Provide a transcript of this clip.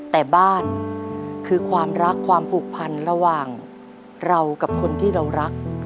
แต่บ้านคือความรักความผูกพันระหว่างเรากับคนที่เรารัก